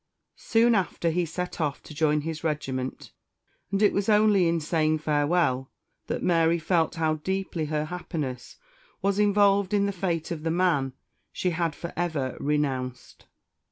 Soon after he set off to join his regiment; and it was only in saying farewell that Mary felt how deeply her happiness was involved in the fate of the man she had for ever renounced.